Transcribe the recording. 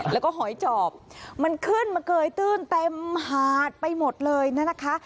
แล้วก็หอยจอบมันขึ้นมาเกยตื้นเต็มหาดไปหมดเลยนะคะ